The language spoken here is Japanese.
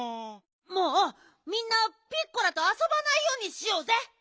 もうみんなピッコラとあそばないようにしようぜ。